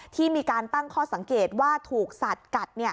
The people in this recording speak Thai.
ที่มีการตั้งข้อสังเกตว่าถูกสัตว์กัด